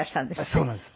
そうなんです。